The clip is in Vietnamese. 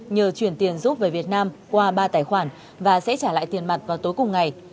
nhờ chuyển tiền giúp về việt nam qua ba tài khoản và sẽ trả lại tiền mặt vào tối cùng ngày